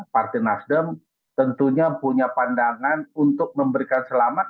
partai nasdem tentunya punya pandangan untuk memberikan selamat